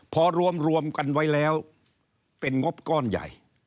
พอรวมกันไว้แล้วเป็นงบก้อนใหญ่